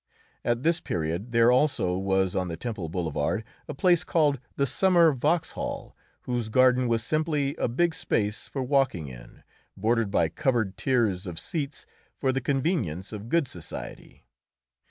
At this period there also was on the Temple boulevard a place called the Summer Vauxhall, whose garden was simply a big space for walking in, bordered by covered tiers of seats for the convenience of good society.